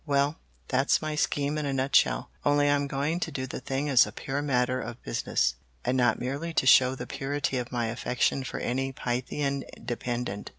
Well, that's my scheme in a nutshell, only I am going to do the thing as a pure matter of business, and not merely to show the purity of my affection for any Pythian dependent.